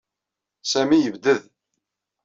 Sami yebded.